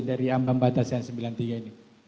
dari ambang batas yang sembilan puluh tiga ini